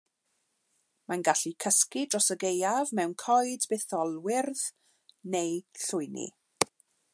Mae'n gallu cysgu dros y gaeaf mewn coed bytholwyrdd neu lwyni.